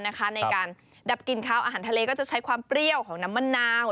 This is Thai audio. ในการดับกลิ่นขาวอาหารทะเลก็จะใช้ความเปรี้ยวของน้ำมะนาว